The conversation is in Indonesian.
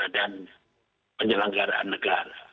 dan penyelenggaraan negara